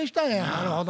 なるほど。